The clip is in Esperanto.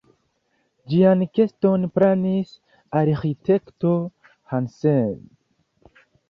Ĝian keston planis arĥitekto Hansen.